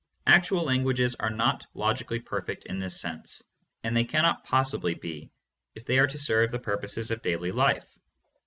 Actual languages are not logically perfect in this sense, and they cannot possibly be, if they are to serve the purposes of daily life.